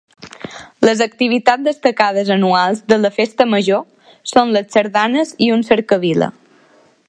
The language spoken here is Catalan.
Les activitats destacades anuals de la festa major són les sardanes i una cercavila.